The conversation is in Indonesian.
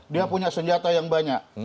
dia punya senjata yang banyak